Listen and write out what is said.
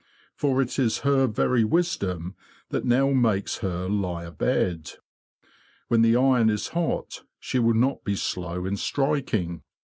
For it is her very wisdom that now makes her a lie abed. When the iron is hot, she will not be slow in striking.